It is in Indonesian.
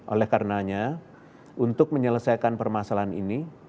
oleh karenanya untuk menyelesaikan permasalahan ini